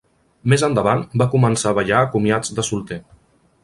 Més endavant, va començar a ballar a comiats de solter.